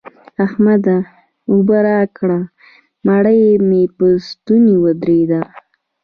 احمده! اوبه راکړه؛ مړۍ مې په ستونې ودرېده.